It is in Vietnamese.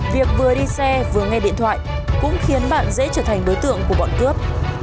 việc vừa đi xe vừa nghe điện thoại cũng khiến bạn dễ trở thành đối tượng của bọn cướp